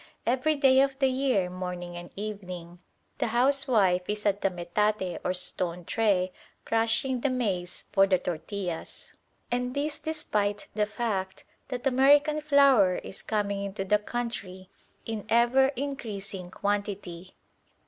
Every day of the year, morning and evening, the housewife is at the metate or stone tray crushing the maize for the tortillas; and this despite the fact that American flour is coming into the country in ever increasing quantity.